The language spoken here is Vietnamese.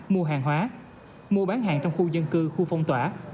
mua hàng hóa mua bán hàng trong khu dân cư khu phong tỏa